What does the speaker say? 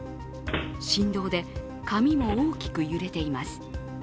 振動で、紙も大きく揺れています。